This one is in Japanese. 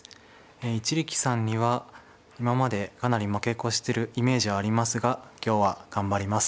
一力さんには今までかなり負け越してるイメージはありますが今日は頑張ります。